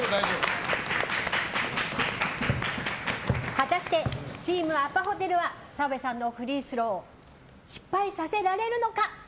果たしてチームアパホテルは澤部さんのフリースロー失敗させられるのか。